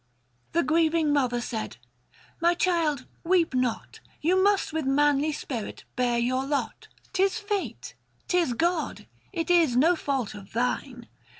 The grieving mother said, my child weep not, You must with manly spirit bear your lot ; 'Tis Fate, 'tis God, it is no fault of thine.